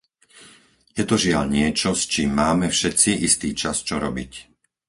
Je to žiaľ niečo, s čím máme všetci istý čas čo robiť.